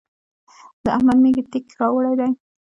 د احمد مېږي تېک راوړی دی.